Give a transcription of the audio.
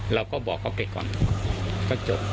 เราก็บอกเขาไปก่อนก็จบ